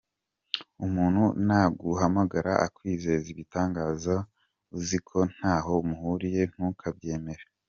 Umuntu naguhamagara akwizeza ibitangaza uzi ko ntaho muhuriye ntukabyemere.